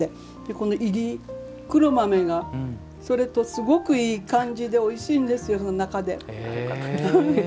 このいり黒豆がそれとすごくいい感じでおいしいんですよ、中で。